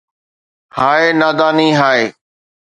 ھاءِ نا داني ھاءِ